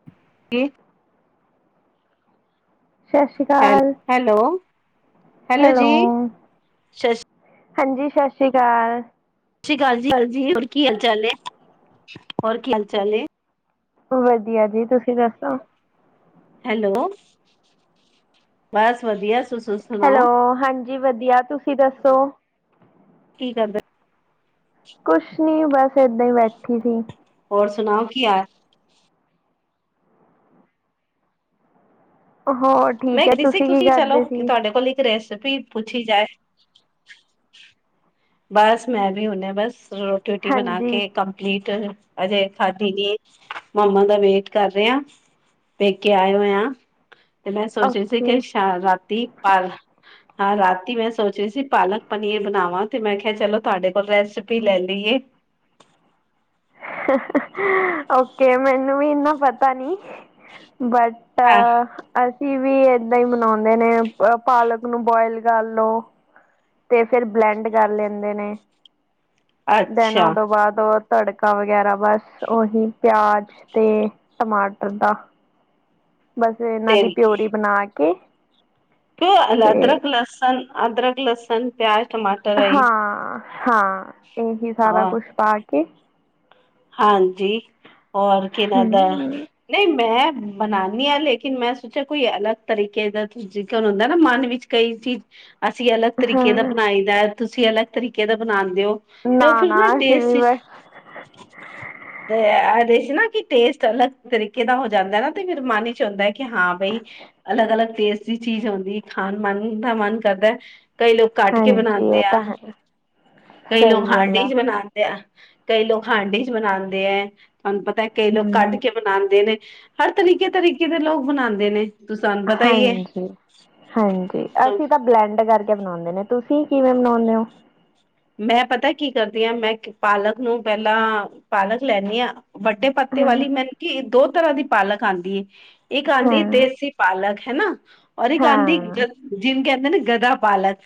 [inaudible] ਸਤਿ ਸ਼੍ਰੀ ਅਕਾਲ। ਹੈਲੋ ਹੈਲੋ ਸਤਿ ਹਾਂਜੀ ਸਤਿ ਸ਼੍ਰੀ ਅਕਾਲ ਸਤਿ ਸ਼੍ਰੀ ਅਕਾਲ ਜੀ ਹਾਲ ਜੀ ਹੋਰ ਕੀ ਹਾਲ ਚਾਲ ਹੈ ਹੋਰ ਕੀ ਹਾਲ ਚਾਲ ਏ। ਵਧੀਆ ਜੀ ਤੁਸੀਂ ਦੱਸੋ। ਹੈਲੋ ਬਸ ਵਧੀਆ ਤੁ ਹੈਲੋ ਹਾਂਜੀ ਵਧੀਆ ਤੁਸੀਂ ਦੱਸੋ। ਕੀ ਕਰਦਾ। ਕੁਛ ਨੀ ਬਸ ਏਦਾਂ ਹੀ ਬੈਠੀ ਸੀ। ਹੋਰ ਸੁਣਾਓ ਕੀ ਹਾਲ [unintelligible] ਮੈਂ ਕਹਿ ਸੀ ਕੀ ਤੁਸੀਂ ਚਲੋ ਕਰਦੇ ਸੀ ਤੁਹਾਡੇ ਕੋਲ ਇੱਕ ਰੈਸਪੀ ਪੁੱਛੀ ਜਾਏ। ਬਸ ਮੈਂ ਵੀ ਹੁਨੇ ਬਸ ਰੋਟੀ ਰੁਟੀ ਬਣਾ ਹਾਂਜੀ ਕੇ ਕੰਪਲੀਟ ਅਜੇ ਖਾਦੀ ਜੀ ਮਾਮਾ ਦਾ ਵੇਟ ਕਰ ਰਹੇ ਆਂ ਪੇਕੇ ਆਏ ਹੋਏ ਆਂ। ਪ ਸੋਚੇ ਸੀ ਓਕੇ ਕਿ ਹਾਂ ਰਾਤੀ ਪ ਹਾਂ ਰਾਤੀ ਮੈਂ ਸੋਚ ਰਹੀ ਸੀ ਪਾਲਕ ਪਨੀਰ ਬਣਾਵਾਂ। ਤੇ ਮੈਂ ਕਿਹਾ ਚਲੋ ਤੁਹਾਡੇ ਕੋਲ ਰੈਸਪੀ ਲੈ ਲਈਏ। [inaudible] ਓਕੇ ਮੈਨੂੰ ਵੀ ਇੰਨਾ ਪਤਾ ਨੀ ਬਟ ਟ ਹਾਂ ਅਸੀਂ ਵੀ ਏਦਾਂ ਹੀ ਬਨਾਉਂਦੇ ਨੇ ਪਾਲਕ ਨੂੰ ਬੋਆਇਲ ਕਰ ਲਓ। ਤੇ ਫਿਰ ਬਲੈਂਡ ਕਰ ਲੈਂਦੇ ਨੇ ਅੱਛਾ ਦੈਨਾ ਤੋ ਉਹਦੋਂ ਬਾਅਦ ਤੜਕਾ ਵਗੈਰਾ ਬਸ ਓਹੀ ਪਿਆਜ ਤੇ ਟਮਾਟਰ ਦਾ ਬਸ ਇਹਨਾਂ ਤੇ ਦੀ ਪਿਓਰੀ ਬਣਾ ਕੇ ਕਿ ਤੇ ਅਦਰਕ ਲਸਣ ਅਦਰਕ ਲਸਣ ਪਿਆਜ ਟਮਾਟਰ ਆਈ ਹਾਂ- ਹਾਂ ਇਹੀ ਸਾਰਾ ਹਾਂ ਕੁਛ ਪਾ ਕੇ ਹਾਂਜੀ ਹੋਰ ਕਿਹਨਾਂ ਦਾ ਹਮ ਨਹੀਂ ਮੈਂ ਬਣਾਣੀ ਹਾਂ ਲੇਕਿਨ ਮੈਂ ਸੋਚਿਆ ਕੋਈ ਅਲੱਗ ਤਰੀਕੇ ਦਾ ਤੁਸੀ ਕ ਹੁੰਦਾ ਨਾ ਮਨ ਵਿੱਚ ਕਈ ਚੀਜ਼ ਅਸੀਂ ਅਲੱਗ ਤਰੀਕੇ ਦਾ ਹਾਂ ਬਣਾਈ ਦਾ ਤੁਸੀਂ ਅਲੱਗ ਤਰੀਕੇ ਦਾ ਬਣਾਂਦੇ ਓ। ਤੇ ਨਾ ਉਹ ਫਿਰ ਨਾ ਅਸੀਂ ਵੀ ਟੇਸਟ ਬਸ 'ਚ ਤੇ ਇਹਦੇ ਸੀ ਨਾ ਕਿ ਟੇਸਟ ਅਲੱਗ ਤਰੀਕੇ ਦਾ ਹੋ ਜਾਂਦਾ ਨਾ ਤੇ ਫੇਰ ਮਨ 'ਚ ਹੀ ਹੁੰਦਾ ਹੈ ਕਿ ਹਾਂ ਬਈ ਅਲੱਗ -ਅਲੱਗ ਟੇਸਟ ਦੀ ਚੀਜ਼ ਹੁੰਂਦੀ ਖਾਣ ਮਨ ਦਾ ਮਨ ਕਰਦਾ। ਕਈ ਲੋਕ ਕੱਟ ਕੇ ਹਾਂਜੀ ਇਹ ਬਣਾਂਦੇ ਆ ਤਾਂ ਹੈ ਕਈ ਸਹੀ ਲੋਕ ਗੱਲ ਹਾਂਡੀ ਆ 'ਚ ਬਣਾ ਦੇ ਕਈ ਲੋਕ ਹਾਂਡੀ 'ਚ ਬਨਾਉਂਦੇ ਹੈ ਤੁਹਾਨੂੰ ਪਤਾ ਕਈ ਲੋਕ ਕੱਢ ਹਮ ਕੇ ਬਣਾਂਦੇ ਨੇ ਹਰ ਤਰੀਕੇ -ਤਰੀਕੇ ਦੇ ਲੋਕ ਬਣਾਂਦੇ ਨੇ। ਤੁ ਸਾਨੂੰ ਪਤਾ ਹੀ ਹਾਂਜੀ- ਹਾਂਜੀ ਹੈ ਅਸੀਂ ਤਾਂ ਬਲੈਂਡ ਕਰਕੇ ਬਣਾਉਂਣੇ ਨੇ ਤੁਸੀਂ ਕਿਵੇਂ ਬਣਾਉਂਣੇ ਹੋ। ਮੈਂ ਪਤਾ ਕੀ ਕਰਦੀ ਹਾਂ ਮੈਂ ਪਾਲਕ ਨੂੰ ਪਹਿਲਾਂ ਪਾਲਕ ਲੈਂਣੀ ਆਂ। ਵੱਡੇ ਪੱਤੇ ਹਾਂ ਵਾਲੀ ਮੈਨ ਕਿ ਦੋ ਤਰ੍ਹਾਂ ਦੀ ਪਾਲਕ ਆਂਦੀ ਹੈ ਇੱਕ ਆਉਂਦੀ ਹਾਂ ਦੇਸੀ ਪਾਲਕ ਹੈ ਨਾ ਔਰ ਇੱਕ ਆਂਦੀ ਹਾਂ ਜਿਨ ਕਹਿੰਦੇ ਗਧਾ ਪਾਲਕ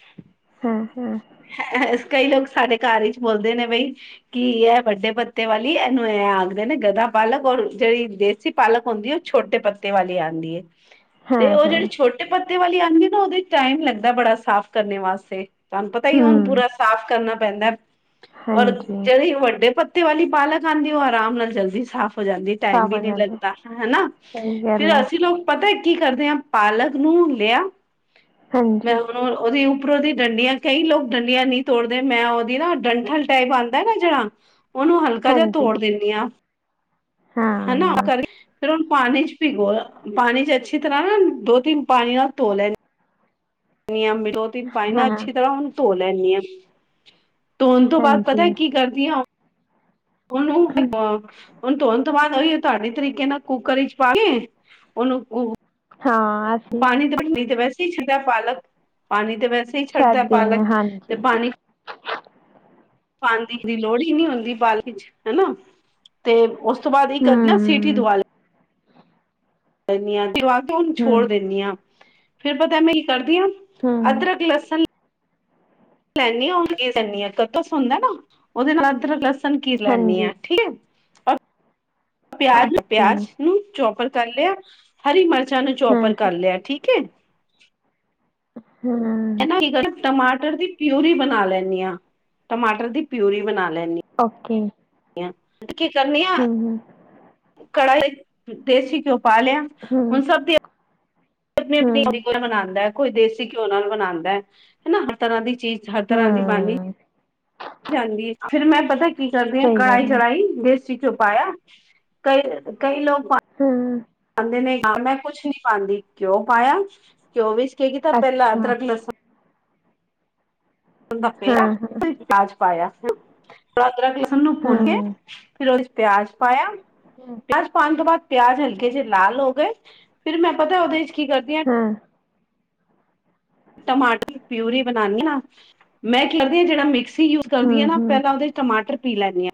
ਹੂੰ- ਹੂੰ [inaudible] ਕਈ ਲੋਕ ਸਾਡੇ ਘਰ ਹੀ ਬੋਲਦੇ ਨੇ ਬਈ ਕੀ ਇਹ ਵੱਡੇ ਪੱਤੇ ਵਾਲੀ ਇਹਨੂੰ ਐ ਆਖਦੇ ਨੇ ਗਧਾ ਪਾਲਕ ਔਰ ਜਿਹੜੀ ਦੇ ਸੀ ਪਾਲਕ ਹੁੰਦੀ ਉਹ ਛੋਟੇ ਪੱਤੇ ਵਾਲੀ ਆਂਦੀ ਏ। ਤੇ ਹਾਂ ਉਹ ਜਿਹੜੀ ਹਾਂ ਛੋਟੇ ਪੱਤੇ ਵਾਲੀ ਆਂਦੀ ਨਾ ਉਹਦੇ ਟਾਈਮ ਲੱਗਦਾ ਬੜਾ ਸਾਫ਼ ਕਰਨੇ ਵਾਸਤੇ ਤੁਹਾਨੂੰ ਪਤਾ ਹੀ ਹੁਣ ਹਮ ਪੂਰਾ ਸਾਫ਼ ਕਰਨਾ ਪੈਂਦਾ ਔਰ ਹਾਂਜੀ ਜਿਹੜੇ ਵੱਡੇ ਪ ਤੇ ਵਾਲੀ ਪਾਲਕ ਆਂਦੀ ਉਹ ਆਰਾਮ ਨਾਲ ਜਲਦੀ ਸਾਫ਼ ਹੋ ਜਾਂਦੀ ਟਾਈਮ ਵੀ ਸਾਵਣ ਨਹੀਂ ਵਾਲੇ ਲੱਗਦਾ ਹਨਾ ਸਹੀ ਗੱਲ ਫਿਰ ਹੈ ਅਸੀਂ ਲੋਕ ਪਤਾ ਕੀ ਕਰਦੇ ਆ ਪਾਲਕ ਨੂੰ ਲਿਆ ਮੈਂ ਹਾਂਜੀ ਉਹਦੀ ਉੱਪਰੋਂਦੀ ਡੰਡੀਆਂ ਕਈ ਲੋਕ ਡੰਡੀਆਂ ਨੀ, ਤੋੜਦੇ ਮੈਂ ਉਹਦੀ ਨਾ ਡੰਠਲ ਟਾਈਪ ਆਉਂਦਾ ਨਾ ਜਿਹੜਾ ਉਹਨੂੰ ਹਲਕਾ ਜਿਹਾ ਹਾਂਜੀ ਤੋੜ ਦਿੰਦੀ ਹਾਂ, ਹਨਾ ਉਹ ਹਾਂ ਕਰੇ ਫੇਰ ਹੁਣ ਪਾਣੀ ਚ ਪਿ ਗੋ ਪਾਣੀ ਚ ਅੱਛੀ ਤਰ੍ਹਾਂ ਨਾ ਦੋ ਤਿੰਨ ਪਾਣੀ ਨਾਲ ਧੋ ਲੈਂਦੇ ਦੋ ਤਿੰਨ ਪਾਈ ਨਾ ਹਾਂ ਅੱਛੀ ਤਰ੍ਹਾਂ ਹੁਣ ਧੋ ਲੈਦੀ ਹਾਂ। ਤੋਂਨ ਤੋਂ ਬਾਅਦ ਹਾਂਜੀ ਪਤਾ ਹੈ ਕੀ ਕਰਦੀਆਂ ਹਾ ਉਹਨੂੰ ਧੋਣ ਤੋਂ ਬਾਅਦ ਉਹੀ ਤੁਹਾਡੇ ਤਰੀਕੇ ਨਾਲ ਕੁੱਕਰ ਵਿਚ ਪਾ ਕੇ ਉਹਨੂੰ ਹਾਂ ਅਸੀਂ ਪਾਣੀ ਤੇ ਪਣੀ ਤੇ ਵੈਸੇ ਹੀ ਛੱਡਦਾ ਪਾਲਕ ਪਾਣੀ ਤੇ ਵੈਸੇ ਹੀ ਛੱਡਦਾ ਛੱਡਦੇ ਪਾਲਕ ਹਾਂ ਤੇ ਹਾਂਜੀ ਪਾਣੀ ਪਾਣੀ ਦੀ ਲੋਹੜ ਹੀ ਨਹੀਂ ਹੁੰਦੀ ਚ ਹੈਨਾ ਤੇ ਉਸ ਤੋਂ ਬਾਅਦ ਇਹ ਕਰਦੀ ਨਾ ਸੀਟੀ ਹਮ ਦੁਆਲ ਹ ਤੇ ਉਹਨੂੰ ਛੋੜ ਹਮ ਦਿੰਦੀ ਹਾਂ ਫੇਰ ਪਤਾ ਮੈਂ ਹੀ ਕਰਦੀ ਹਾਂ, ਹਮ ਅਦਰਕ, ਲਸਣ ਲੈਂਦੀਆਂ ਕੱਦੂਕਸ ਹੁੰਦਾ ਓਹਦੇ ਨਾਲ ਅਦਰਕ ਲਸਣ ਨ ਕੀਰ ਲੈਂਦੀ ਹਾਂ ਹਾਂਜੀ ਠੀਕ ਹੈ। ਪਿਆਜ ਓਕੇ ਪਿਆਜ ਨੂੰ ਚੌਪਰ ਕਰ ਲਿਆ ਹਰੀ ਮਿਰਚਾਂ ਨੂੰ ਹਾਂ ਚੌਪਰ ਕਰ ਲਿਆ ਠੀਕ ਹੈ। ਹਮ ਹਨ ਕੀ ਕਰ ਟਮਾਟਰ ਦੀ ਪਿਊਰੀ ਬਣਾ ਲੈਂਦੀ ਹਾਂ, ਟਮਾਟਰ ਦੀ ਪਿਊਰੀ ਬਣਾ ਲੈਂਦੀ ਹਾਂ। ਓਕੇ। ਤੇ ਕੀ ਕਰਨੀ ਹਮ ਹਮ ਕੜਾਈ ਦੇਸੀ ਕਿਉਂ ਪਾ ਲਿਆ ਹਮ ਹੁਣ ਸਭ ਦੀ ਆਪਣੀ ਹਮ ਆਪਣੀ ਮਨਾਉਂਦਾ ਕੋਈ ਦੇਸੀ ਘਿਓ ਨਾਲ ਬਣਾਉਂਦਾ ਹੈ ਹਨਾ ਹਰ ਤਰ੍ਹਾਂ ਦੀ ਚੀਜ਼ ਹਰ ਤਰ੍ਹਾਂ ਦੀ ਬਾਣੀ ਹਮ ਜਾਂਦੀ ਹੈ ਫੇਰ ਮੈਂ ਪਤਾ ਕੀ ਕਰਦੀ ਹਾਂ ਸਹੀ ਗੱਲ ਕੜਾਈ ਹੈ ਚੜਾਈ ਦੇ ਵਿੱਚ ਪਾਇਆ ਕਈ ਲੋਕ ਹਮ ਪਾਉਂਦੇ ਨੇ ਹਾਂ ਮੈਂ ਕੁਛ ਨਹੀਂ ਪਾਉਂਦੀ ਘਿਓ ਪਾਇਆ ਘਿਓ ਵਿੱਚ ਕੀ ਕੀਤਾ ਪਹਿਲਾਂ ਅੱਛਾ ਅਦਰਕ, ਲਸਣ ਦਾ ਹਾਂ ਪਿਆ ਫਿਰ ਕਜ ਪਾਇਆ ਰਾਤ ਰ ਕੇ ਨੂੰ ਭੁੰਨ ਕੇ ਹਾਂ ਫਿਰ ਉਹਦੇ ਚ ਪਿਆਜ ਪਾਇਆ ਹਮ ਪਿਆਜ ਪਾਉਣ ਤੋਂ ਬਾਅਦ ਪਿਆਜ ਹਲਕੇ ਜਹੇ ਲਾਲ ਹੋ ਗਏ। ਫਿਰ ਮੈਂ ਪਤਾ ਉਹਦੇ ਚ ਕੀ ਕਰਦੀ ਹਾਂ ਹਾਂ ਟਮਾਟਰ ਪਿਊਰੀ ਬਣਾਉਣੀ ਆ ਨਾ ਮੈਂ ਕੀ ਕਰਦੀ ਹਾਂ ਜਿਹੜਾ ਮਿਕਸੀ ਯੂਜ ਕਰਦੀ ਹਮ ਨਾ ਹਮ ਪਹਿਲਾਂ ਉਹਦੇ ਟਮਾਟਰ ਪੀ ਲੈਂਦੀ ਹਾਂ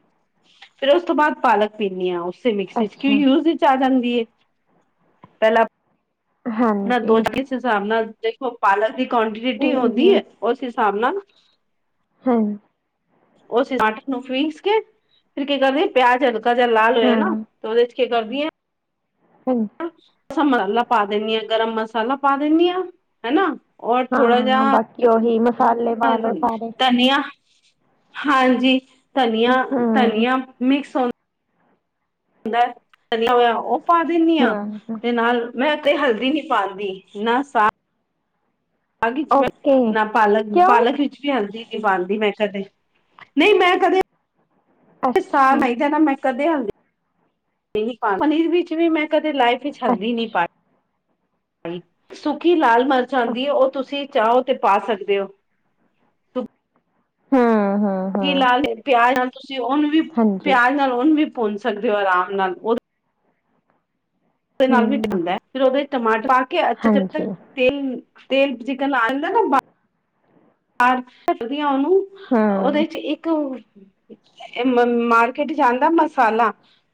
ਫੇਰ ਉਸ ਤੋਂ ਬਾਅਦ ਪਾਲਕ ਪੀਂਦੀ ਹਾਂ ਉਸੇ ਮਿਕਸੀ ਚ ਅੱਛਾ ਕਿਉਂ ਯ ਆ ਜਾਂਦੀ ਪਹਿਲਾਂ ਦੋ ਹਾਂਜੀ 'ਹਿਸਾਬ ਨਾਲ ਦੇਖੋ ਪਾਲਕ ਦੀ ਕੋਆਂਟਟੀ ਹਮ ਹੁੰਦੀ ਹਮ ਹੈ ਉਸ ਹਿਸਾਬ ਨਾਲ ਹਮ ਉਸ ਟਮਾਟਰ ਨੂੰ ਪੀਸ ਕੇ ਫਿਰ ਕੀ ਕਰਦੇ ਪਿਆਜ ਹਲਕਾ ਜਿ ਲਾਲ ਹੋਇਆ ਹਾਂ ਨਾ ਤੇ ਉਹਦੇ ਚ ਕੀ ਕਰਦੀ ਹੈ ਹਮ ਮਸਾਲਾ ਪਾ ਦਿੰਦੀ ਹਾਂ। ਗਰਮ ਮਸਾਲਾ ਪਾ ਦਿੰਦੀ ਆਂ ਹਨਾ ਉਹ ਹਾਂ ਬਾਕੀ ਓਹੀ ਮਸਾਲੇ ਪਾਲੋ ਸਾਰੇ ਧਨੀਆ ਹਾਂਜੀ ਧਨੀਆ, ਹਮ ਧਨੀਆ ਮਿਕਸ ਹੁੰ ਹੁੰਦਾ ਚਿਆ ਹੋਇਆ ਉਹ ਪਾ ਦਿੰਦੀ ਹ ਹਮ ਤੇ ਨਾਲ ਮੈਂ ਉਤੇ ਹਲਦੀ ਨਹੀਂ ਪਾਉਂਦੀ ਨਾ ਸਾ ਮੈਂ ਓਕੇ ਨਾ ਕਿਉਂ ਪਾਲਕ ਵਿੱਚ ਵੀ ਹਲਦੀ ਨਾ ਪਾਲਕ ਵਿੱਚ ਬਣਦੀ ਮੈਂ ਕਦੇ ਨਹੀਂ ਮੈਂ ਕਦੇ ਸਾਹ ਅੱਛਾ ਨਹੀਂ ਦੇਣਾ ਮੈਂ ਕਦੇ ਹਲਦੀ ਪਨੀਰ ਵਿੱਚ ਵੀ ਮੈਂ ਕਦੇ ਲਾਈਫ ਵਿੱਚ ਹਲਦੀ ਨਹੀਂ ਪਾਈ ਅੱਛਾ ਸੁੱਕੀ ਲਾਲ ਮਿਰਚ ਆਉਂਦੀ ਹੈ ਉਹ ਤੁਸੀਂ ਚਾਹੋ ਤੇ ਪਾ ਸਕਦੇ ਹੋ। ਹਾਂ ਹਾਂ ਕੀ ਲਾ ਲ ਪਿਆਜ ਨਾਲ ਤੁਸੀਂ ਹਾਂਜੀ ਉਹਨੂੰ ਵੀ ਭੁੰਨ ਸਕਦੇ ਹੋ ਆਰਾਮ ਨਾਲ ਉਹ [unintelligible] ਹਮ ਫਿਰ ਉਹਦੇ ਟਮਾਟਰ ਪਾ ਕੇ ਅੱਛਾ ਜਦ ਹਾਂਜੀ ਤੱਕ ਤੇਲ ਤੇਲ ਚਿਕਨ [unintelligible] ਦਾ ਨਾ [unintelligible] ਢੱਕ ਦੀਆਂ ਉਹਨੂੰ ਹਮ ਉਹਦੇ ਚ ਇੱਕ [unintelligible] ਮਾਰਕੀਟ ਚ ਆਂਦਾ ਮਸਾਲਾ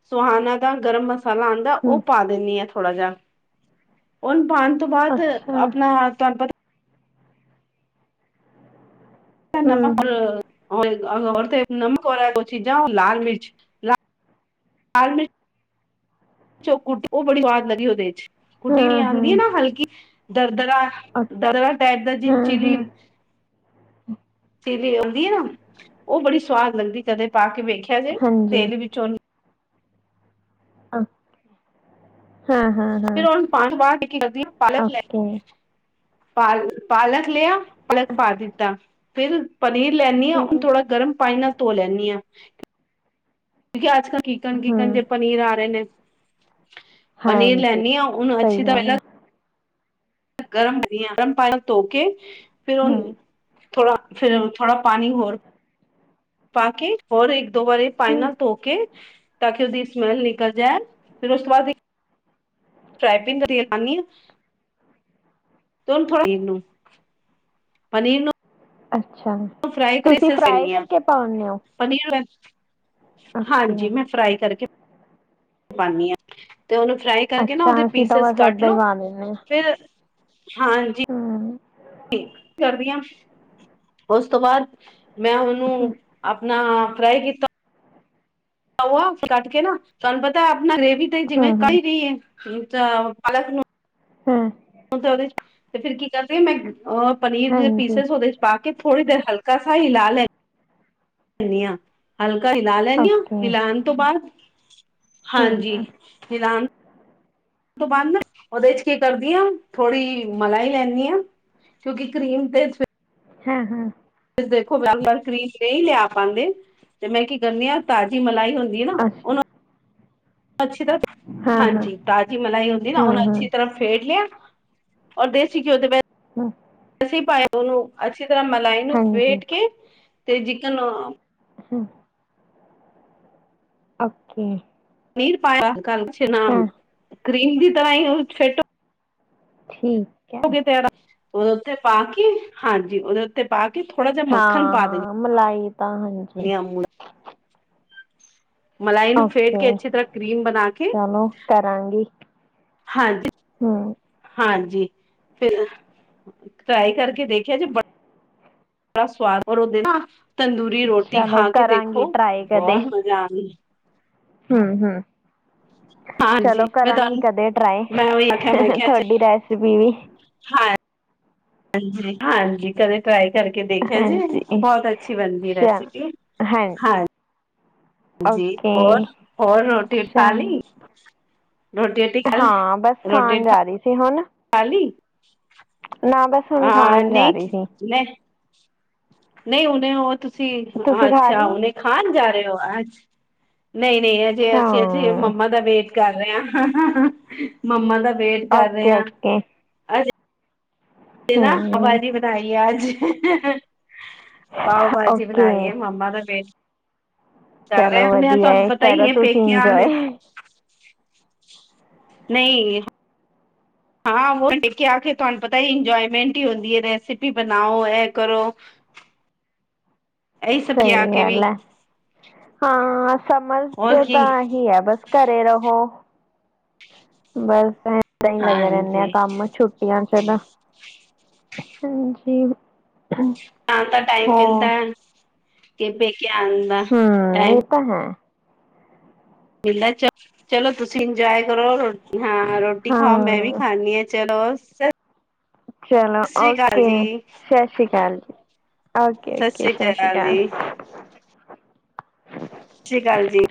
ਸੁਹਾਨ ਦਾ ਗਰਮ ਮਸਾਲਾ ਆ ਹਮ ਉਹ ਪਾ ਦਿੰਦੀ ਆ ਥੋੜ੍ਹਾ ਜਿਹਾ ਉਹਨੂੰ ਪਾਉਣ ਤੋਂ ਬਾਅਦ ਅੱਛਾ ਆਪਣਾ [unintelligible] [unintelligible] ਹਮ ਹਮ [unintelligible] ਤੇ ਨਮਕ ਵ ਔਰ ਦੋ ਚੀਜਾ ਲਾਲ ਮਿਰਚ ਲ ਲ ਮਚ ਚ ਕੁ ਉਹ ਬੜੀ [unintelligible] ਲੱਗੀ ਉਹਦੇ ਚ ਕੁੱਟੀ ਵੀ ਹਾਂ ਹਾਂ ਆਉਂਦੀ ਹੈ। ਨਾ ਹਲਕੀ ਦਰਦਰਾ ਦਰਵਾ ਟਾਈਪ ਦਾ [unintelligible] ਹਾਂ ਚੀਲੀ ਹਾਂ ਚੀਲੀ ਆਉਂਦੀ ਏ। ਨਾ ਉਹ ਬੜੀ ਸਵਾਦ ਲੱਗਦੀ ਕਦੇ ਪਾ ਕੇ ਵੇਖਿਆ ਜੇ ਹਾਂਜੀ ਤੇਲ ਵਿੱਚੋਂ [unintelligible] ਹਾਂ ਹਾਂ ਹਾਂ ਫਿਰ ਉ [unintelligible] ਬਾਹ [unintelligible] ਟੀ ਕਰਦੀ ਪਾਲਕ ਲੈ ਓਕੇ ਪਾਲ ਪਾਲਕ ਲਿਆ ਪਲਕ ਪਾ ਦਿੱਤਾ ਫਿਰ ਪਨੀਰ ਲੈਦੀ ਹਾਂ। ਥੋੜਾ ਗਰਮ ਪਾਣੀ ਨਾਲ ਧੋ ਲੈਂਦੀ ਆਂ ਕਿਉਂਕਿ ਅੱਜ ਕਲ ਕੀਕਨ ਕੀਕਨ ਹਮ ਜੇ ਪਨੀਰ ਆ ਰਹੇ ਨੇ ਪਨੀਰ ਹਾਂਜੀ ਲੈਦੀ ਹਾਂ ਓਨੂੰ ਅੱਛੀ ਸਹੀ ਤਰਾਂ ਗੱਲ ਪਹਿਲਾਂ ਹੈ ਗਰਮ ਹ ਗਰਮ ਪਾਣੀ ਧੋ ਕੇ ਫਿਰ ਉਹ ਹਮ ਥੋੜਾ ਫੇਰ ਥੋੜਾ ਪਾਣੀ ਹੋਰ ਪਾ ਕੇ ਹੋਰ ਇੱਕ ਦੋ ਵਾਰੀ ਪਾਈ ਹਮ ਨਾਲ ਧੋ ਤਾਂ ਕਿ ਉਹਦੀ ਸਮੈਲ ਨਿਕਲ ਜਾਏ ਫੇਰ ਉਸ ਤੋਂ ਬਾਅਦ [unintelligible] [unintelligible] ਪਨੀਰ ਨੂੰ ਪਨੀਰ ਨੂੰ ਅੱਛਾ ਫਰਾਈ ਕਰਕੇ ਤੁਸੀਂ ਫਰਾਈ ਪਾਨੀ ਆ ਕਰਕੇ ਪਾਉਂਦੇ ਓਂ ਪਨੀਰ ਹਾਂਜੀ ਮੈਂ ਫਰਾਈ ਕਰਕੇ ਪਾਉਂਦੀ ਹਾਂ ਤੇ ਉਹਨੂੰ ਫਰਾਈ ਕਰਕੇ ਨਾ ਅੱਛਾ ਉਹਦੇ ਅਸੀਂ ਤਾਂ ਪੀਸਿਸ ਬਸ ਕੱਟ ਏਦਾਂ ਹੀ ਲੋ ਪਾ ਦਿੰਦੇ ਹਾਂ ਫੇਰ ਹਾਂਜੀ ਹਮ ਕਰਦੀਆਂ ਉਸ ਤੋਂ ਬਾਅਦ ਮੈਂ ਹਮ ਉਹਨੂੰ ਆਪਣਾ ਫਰਾਈ ਕੀਤਾ ਕੱਟ ਕੇ ਨਾ ਤੁਹਾਨੂੰ ਪਤਾ ਆਪਣਾ ਰੇਵੀ ਤੇ ਜਿਵੇਂ ਹਮ ਹਮ ਕਹੀ ਰਹੀਏ ਪਾਲਕ ਨੂੰ ਹੂੰ ਉਹਦੇ ਚ ਤੇ ਫੇਰ ਕੀ ਕਰਦੇ ਮੈਂ ਅਹ ਪਨੀਰ ਦੇ ਪੀਸ ਹਾਂਜੀ ਉਹਦੇ ਚ ਪਾ ਕੇ ਥੋੜੀ ਦੇਰ ਹਲਕਾ ਸ ਹੀਲਾ ਲੈ ਲ ਹ ਹਲਕਾ ਹਿਲਾ ਲੈਂਦੀ ਹਾਂ ਓਕੇ ਹਿਲਾਉਣ ਤੋਂ ਬਾਅਦ ਹਮ ਹਾਂਜੀ ਹਮ ਹਿਲਾਨ ਤੋਂ ਬੰਦ ਉਹਦੇ ਚ ਕੀ ਕਰਦੀ ਹ ਥੋੜ੍ਹੀ ਮਲਾਈ ਲੈਂਦੀ ਹਾਂ। ਕਿਉਂਕਿ ਕਰੀਮ ਤੇ ਹਾਂ ਹਾਂ। ਦੇਖੋ ਬ ਵਾਰ ਕਰੀਮ ਨਹੀਂ ਲਿਆ ਪਾਉਂਦੇ ਤੇ ਮੈਂ ਕੀ ਕਰਨੀ ਆ ਤਾਜ਼ੀ ਮਲਾਈ ਹੁੰਦੀ ਹੈ ਨਾ ਅੱਛਾ ਉਹਨੂੰ ਅੱਛੀ ਤਰ੍ਹਾਂ ਹਾਂ ਹਾਂ ਹਾਂਜੀ ਤਾਜ਼ੀ ਮਲਾਈ ਹੁੰਦੀ ਨਾ ਹਮ ਉਹਨੂੰ ਅੱਛੀ ਹਮ ਤਰ੍ਹਾਂ ਫੇਡ ਲਿਆ ਔਰ ਦੇਸੀ ਘਿਓ ਦੇ ਪੈਸ ਹਮ। ਅੱਸੀਂ ਪਾਏ ਉਹਨੂੰ ਅੱਛੀ ਤਰ੍ਹਾਂ ਮਲਾਈ ਨੂੰ ਹਾਂਜੀ ਫੇਟ ਕੇ ਤੇ ਜਿਕਨ ਹੂੰ ਓਕੇ ਨੀਰ ਪਾਇਆ ਕਛ ਨਾ ਹਾਂ ਕ੍ਰੀਮ ਦੀ ਤਰ੍ਹਾਂ ਹੀ ਫੈਨਟੋ ਠੀਕ ਹੈ ਗ [unintelligible] ਤੇੜਾ ਉਹ ਉੱਥਤੇ ਪਾ ਕੇ ਹਾਂਜੀ ਉਹਦੇ ਤੇ ਪਾ ਕੇ ਥੋੜਾ ਜਿਹਾ ਹਾਂ ਮੱਖਣ ਪਾ ਹਾਂ ਮਲਾਈ ਤਾਂ ਹਾਂਜੀ ਦੇਣੇ ਮਲਾਈ ਨੂੰ ਫੇਟ ਓਕੇ ਕੇ ਅੱਛੀ ਤਰ੍ਹਾਂ ਕਰੀਮ ਬਣਾ ਕੇ ਚਲੋ ਕਰਾਂਗੀ। ਹਾਂਜੀ। ਹਮ ਹਾਂਜੀ ਫਿਰ ਟਰਾਈ ਕਰਕੇ ਦੇਖਿਆ ਜੇ ਬੜਾ ਸਵਾਦ ਉਹ ਤੰਦੂਰੀ ਰੋਟੀ ਚਲੋ ਖਾ ਕੇ ਦੇਖੋ ਕਰਾਂਗੀ ਟਰਾਈ ਬਹੁਤ ਮਜ਼ਾ ਆਉਂ ਹਮ ਹਮ [unintelligible] [inaudible] ਹਾਂਜੀ ਮੈਂ ਤੁਹਾਨੂੰ ਕਦੇ ਟਰਾਈ ਮੈਂ ਉਹੀ ਆਖਿਆ ਮੈਂ ਕਿਹਾ ਤੁਹਾਡੀ ਰੈਸਪੀ ਵੀ ਹ ਹਾਂਜੀ ਹਾਂਜੀ ਕਦੇ ਟ੍ਰਾਈ ਕਰਕੇ ਦੇਖਿਆ ਜੀ ਹਾਂਜੀ ਬਹੁਤ ਅੱਛੀ ਬਣਦੀ ਚਲ ਰੈਸਿਪੀ ਹਾਂ ਹਾਂਜੀ ਜੀ ਓਕੇ ਹੋਰ ਹੋਰ ਰੋਟੀ ਉਠਾ ਚਲ ਲਈ ਰੋਟੀ ਖਾ ਲਈ ਹਾਂ ਬਸ ਰੋਟੀ ਖਾਣ ਜਾ ਰਹੀ ਸੀ ਹੁਣ ਖਾ ਲੀ ਨਾ ਬਸ ਹੁਣ ਹਾਂ ਖਾਣ ਜਾ ਨਹੀਂ ਰਹੀ ਸੀ ਨਹੀਂ ਹਨੇ ਉਹ ਤੁਸੀਂ ਤੁਸੀਂ ਖਾ ਅੱਛਾ ਲਈ ਹਨੇ ਖਾਣ ਜਾ ਰਹੇ ਹੋ ਅੱਜ ਨਹੀਂ ਨਹੀਂ ਅਜੇ ਹਾਂ ਅਸੀਂ ਅਜੇ ਮੰਮਾ ਦਾ ਵੇਟ ਕਰ ਰਹੇ ਹਾਂ। ਮੰਮਾ ਦਾ ਵੇਟ ਕਰ ਰਹੇ ਓਕੇ ਹਾਂ। ਓਕੇ ਤੇ ਨਾ ਹੂੰ ਆਵਾਜੀ ਬਣਾਈ ਅੱਜ ਪਾਓ ਭਾਜੀ ਓਕੇ ਬਣਾਈਏ ਮੰਮਾ ਦਾ ਵੇਟ ਕਰ ਰਹੇ ਚਲੋ ਹਾਂ ਵਧੀਆ ਤੁਹਾਨੂੰ ਪਤਾ ਹੀ ਕਰੋ ਹੈ ਤੁਸੀਂ ਪੇਕਿਆਂ ਨੇ ਇੰਜੋਏ। ਨਹੀਂ। ਹਾਂ ਵ ਡਿੱ ਕੇ ਆ ਕੇ ਤੁਹਾਨੂੰ ਪਤਾ ਹੀ ਇੰਜੋਏਮੈਂਟ ਹੀ ਹੁੰਦੀ ਹੈ ਰੈਸਪੀ ਬਣਾਓ ਇਹ ਕਰੋ ਇਹੀ ਸਭ ਕੇ ਆ ਸਹੀ ਕੇ ਗੱਲ ਵੀ ਹੈ ਹਾਂ ਸਮਝ ਹੋਰ ਚ ਕੀ ਤਾਂ ਹੀ ਹੈ ਬਸ ਘਰੇ ਰਹੋ ਬਸ ਇਦਾਂ ਹੀ ਲੱਗੇ ਰਹਿੰਦੇ ਆ ਹਾਂਜੀ ਕੰਮ ਛੁੱਟੀ ਆਣਾ ਚਾਹੀਦਾ ਹਾਂਜੀ ਆਉਣ ਦਾ ਟਾਈਮ ਮਿਲਦਾ ਹੋ ਕਿ ਪੇਕੇ ਆਣ ਦਾ ਹਮ ਟਾਈਮ ਇਹ ਤਾਂ ਹੈ। ਮਿਲਦਾ ਚ ਚਲੋ ਤੁਸੀਂ ਇੰਜੋਏ ਕਰੋ। ਹਾਂ ਰੋਟੀ ਖਾਓ ਮੈਂ ਵੀ ਹਾਂ ਖਾਦੀ ਹ ਚਲੋ। ਸਤਿ ਚਲੋ ਸ੍ਰੀ ਅਕਾਲ ਓਕੇ ਜੀ। ਸਤਿ ਸ਼੍ਰੀ ਅਕਾਲ ਜੀ ਓਕੇ ਸਤਿ ਓਕੇ ਸ੍ਰੀ ਸ਼੍ਰੀ ਅਕਾਲ ਜੀ। ਸਤਿ ਸ਼੍ਰੀ ਅਕਾਲ ਜੀ